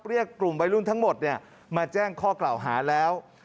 เรียกกลุ่มวัยรุ่นทั้งหมดมาแจ้งข้อกล่าวหาแล้ว